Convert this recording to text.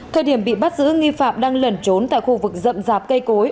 thời điểm bị bắt giữ nghi phạm đang lẩn trốn tại khu vực rậm rạp cây cối